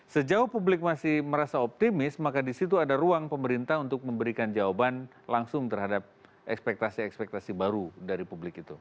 sejauh publik masih merasa optimis maka disitu ada ruang pemerintah untuk memberikan jawaban langsung terhadap ekspektasi ekspektasi baru dari publik itu